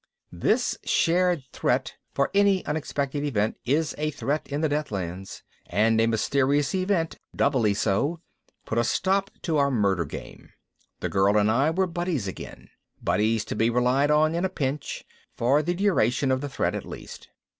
This shared threat for any unexpected event is a threat in the Deathlands and a mysterious event doubly so put a stop to our murder game. The girl and I were buddies again, buddies to be relied on in a pinch, for the duration of the threat at least.